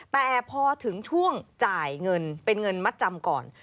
แต่พอถึงช่วงจ่ายเงินเป็นเงินมัดจำก่อน